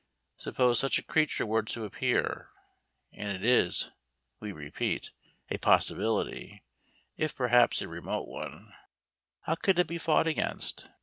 Suppose such a creature were to appear and it is, we repeat, a possibility, if perhaps a remote one how could it be fought against?